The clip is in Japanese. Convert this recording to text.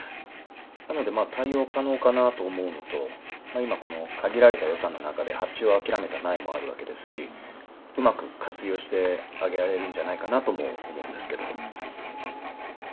なのでまあ対応可能かなと思うのと今この限られた予算の中で発注を諦めた苗もあるわけですしうまく活用してあげられるんじゃないかなとも思うんですけど。